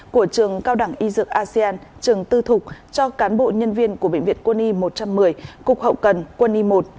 của trường cao đẳng y dược asean trường tư thục cho cán bộ nhân viên của bệnh viện quân y một trăm một mươi cục hậu cần quân y một